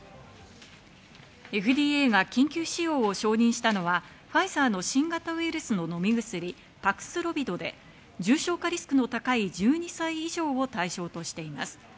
ＦＤＡが緊急使用を承認したのは、ファイザーの新型ウイルスの飲み薬パクスロビドで重症化リスクの高い１２歳以上を対象としています。